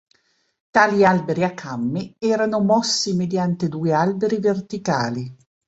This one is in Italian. Tali alberi a camme erano mossi mediante due alberi verticali.